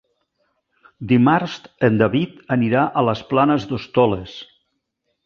Dimarts en David anirà a les Planes d'Hostoles.